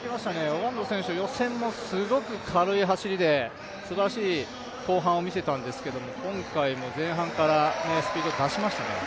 オガンド選手、予選もすごく軽い走りですばらしい後半を見せたんですけど今回も前半からスピード出しましたね。